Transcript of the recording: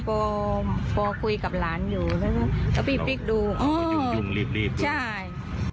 ปลอมพอคุยกับหลานอยู่แล้วพี่พลิกดูอ๋อใช่